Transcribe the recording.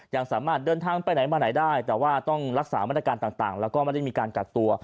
ยังสามารถเดินทางไปไหนมาไหนได้แต่ว่าต้องรักษามาตรการต่างแล้วก็ไม่ได้มีการกักตัว